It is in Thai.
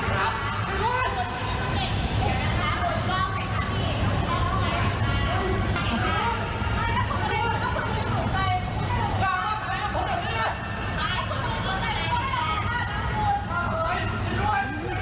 มันเปลือกลัวช่างก่อนเนิ่นแต่มันไม่ใช่แน่นอน